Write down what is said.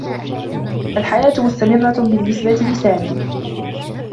الحياة مستمرّة بالنّسبة لسامي.